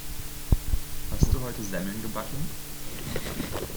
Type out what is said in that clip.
Hast du heute Semmeln gebacken?